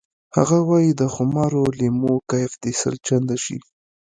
هغه وایی د خمارو لیمو کیف دې سل چنده شي